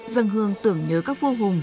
dân hương tưởng nhớ các vô cùng